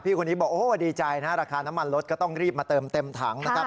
คนนี้บอกโอ้ดีใจนะราคาน้ำมันลดก็ต้องรีบมาเติมเต็มถังนะครับ